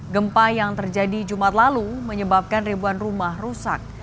gempa yang terjadi jumat lalu menyebabkan ribuan rumah rusak